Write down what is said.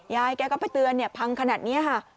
ยายแกก็ไปเตือนพังขนาดนี้ค่ะ